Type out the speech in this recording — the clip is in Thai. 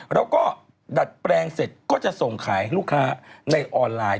แล้วก็ดัดแปลงเสร็จก็จะส่งขายลูกค้าในออนไลน์